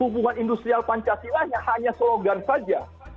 hubungan industrial pancasilanya hanya slogan saja